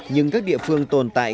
nhưng các địa phương tồn tại